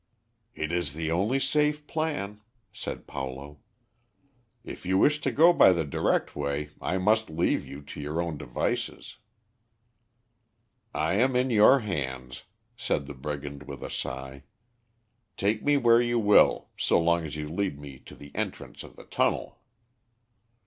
"It is the only safe plan," said Paulo. "If you wish to go by the direct way, I must leave you to your own devices." "I am in your hands," said the brigand with a sigh. "Take me where you will, so long as you lead me to the entrance of the tunnel."